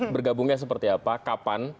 bergabungnya seperti apa kapan